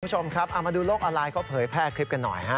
คุณผู้ชมครับเอามาดูโลกออนไลน์เขาเผยแพร่คลิปกันหน่อยฮะ